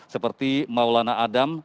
seperti maulana adam